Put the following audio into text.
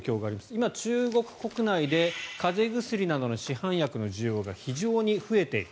今、中国国内で風邪薬などの市販薬の需要が非常に増えている。